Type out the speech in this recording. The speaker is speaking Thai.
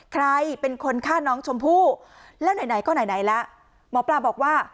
ใครเป็นคนฆ่าน้องชมพู่แล้วไหนก็ไหนล่ะหมอปลาบอกว่า